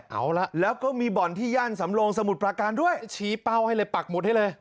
เอาละแล้วก็มีบ่อนที่ย่านสำโลงสมุทรประการด้วยชี้เป้าให้เลยปักหมุดให้เลย